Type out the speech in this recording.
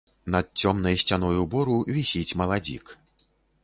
Над цёмнай сцяною бору вісіць маладзік.